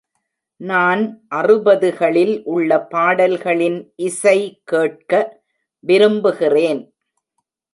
நான் அறுபதுகளில் உள்ள பாடல்களின் இசை கேட்க விரும்புகிறேன்.